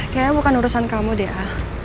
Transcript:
kayaknya bukan urusan kamu d a